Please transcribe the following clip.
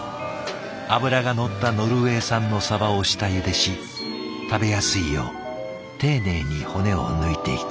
脂が乗ったノルウェー産のサバを下ゆでし食べやすいよう丁寧に骨を抜いていく。